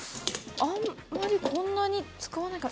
あまりこんなに使わないかな。